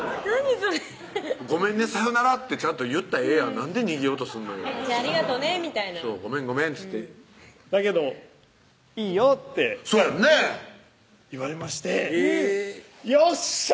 それ「ごめんねさよなら」ってちゃんと言ったらええやんなんで逃げようとすんのよ「ありがとね」みたいな「ごめんごめん」っつってだけど「いいよ」ってそうやんね言われましてよっしゃ！